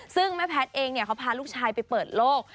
ซึ่งแม่แพทย์เองเขาพาลูกชายไปเปิดโลก